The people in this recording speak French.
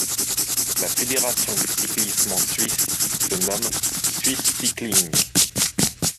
La fédération du cyclisme en Suisse se nomme Swiss Cycling.